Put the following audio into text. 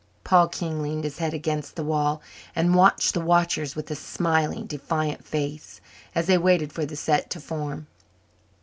Paul King leaned his head against the wall and watched the watchers with a smiling, defiant face as they waited for the set to form.